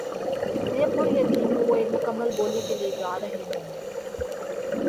میں پُریقین ہوں وہ ایک مکمل بولی کے لیے جا رہے ہوں گے